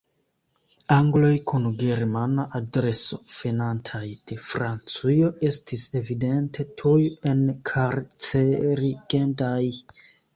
Angloj kun Germana adreso venantaj de Francujo estis evidente tuj enkarcerigendaj.